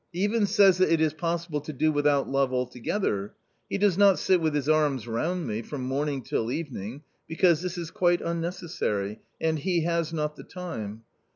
He even says that it is possible to do without love altogether. He does not sit with his arms round me, from morning till evening, because this is quite unnecessary, and he has not the time.